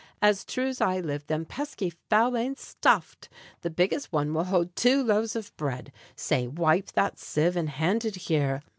As true's I live Them pesky fowl ain't stuffed! The biggest one Will hold two loaves of bread. Say, wipe that sieve, And hand it here.